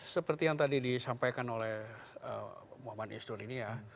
seperti yang tadi disampaikan oleh muhammad isnur ini ya